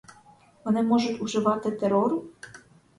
Вони можуть уживати терору?